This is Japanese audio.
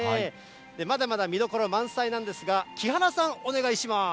まだまだ見どころ満載なんですが、木原さん、お願いします。